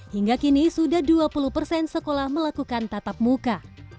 hingga kini sudah dua puluh persen sekolah melakukan tatap muka